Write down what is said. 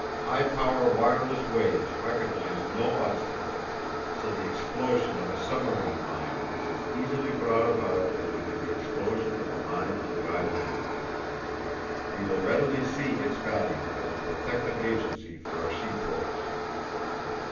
High power wireless waves recognize no obstacle, so the explosion of a submarine mine is as easily brought about as would be the explosion of a mine on dry land. You will readily see its value as a protective agency for our seaports."